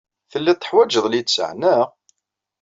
Telliḍ teḥwajeḍ littseɛ, naɣ?